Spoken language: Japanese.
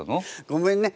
ごめんね。